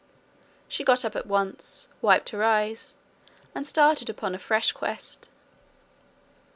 She got up at once, wiped her eyes, and started upon a fresh quest.